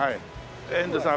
遠藤さん。